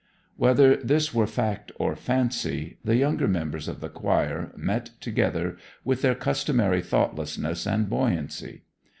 Whether this were fact or fancy, the younger members of the choir met together with their customary thoughtlessness and buoyancy.